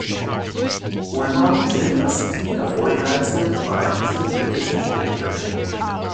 Ullman gilt als die erfolgreichste weibliche britische Komikerin.